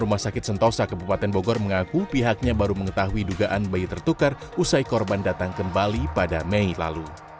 rumah sakit sentosa kebupaten bogor mengaku pihaknya baru mengetahui dugaan bayi tertukar usai korban datang kembali pada mei lalu